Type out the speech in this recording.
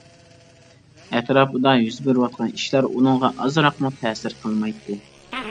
ئەتراپىدا يۈز بېرىۋاتقان ئىشلار ئۇنىڭغا ئازراقمۇ تەسىر قىلمايتتى.